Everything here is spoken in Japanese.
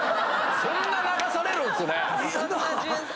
そんな流されるんすね。